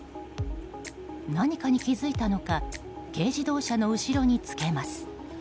何かに気付いたのか軽自動車の後ろにつけます。